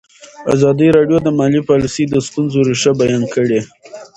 ازادي راډیو د مالي پالیسي د ستونزو رېښه بیان کړې.